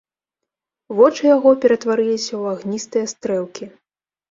Вочы яго ператварыліся ў агністыя стрэлкі.